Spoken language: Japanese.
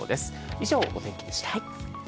以上、お天気でした。